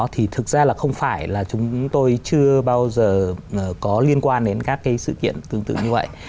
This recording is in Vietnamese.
thì thực ra là không phải là chúng tôi chưa bao giờ có liên quan đến các cái sự kiện tương tự như vậy